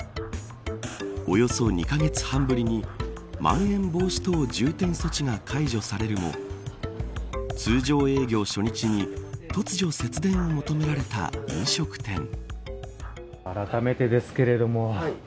およそ２カ月半ぶりにまん延防止等重点措置が解除されるも通常営業初日に突如、節電を求められた飲食店。